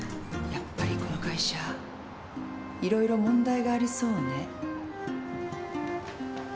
やっぱりこの会社いろいろ問題がありそうね。